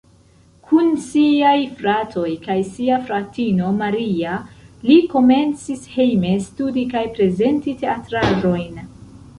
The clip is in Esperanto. Kun siaj fratoj kaj sia fratino Maria li komencis hejme studi kaj prezenti teatraĵojn.